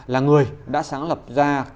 là người đã sáng lập ra